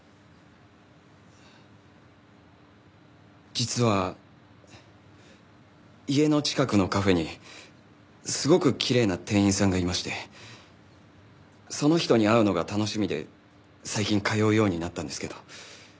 実は家の近くのカフェにすごくきれいな店員さんがいましてその人に会うのが楽しみで最近通うようになったんですけど。